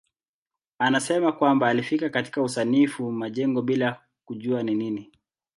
Anasema kwamba alifika katika usanifu majengo bila kujua ni nini.